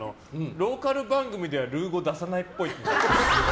ローカル番組ではルー語出さないっぽい。